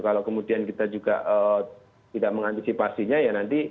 kalau kemudian kita juga tidak mengantisipasinya ya nanti